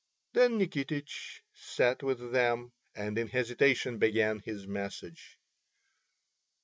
Then Nikitich sat with them, and in hesitation began his message.